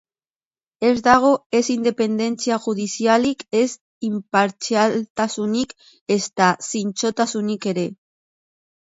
Ez dago ez independentzia judizialik, ez inpartzialtasunik, ezta zintzotasunik ere.